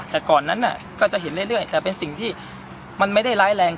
แต่ก่อนนั้นก็จะเห็นเรื่อยแต่เป็นสิ่งที่มันไม่ได้ร้ายแรง